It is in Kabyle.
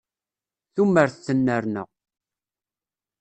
Tumert tennerna.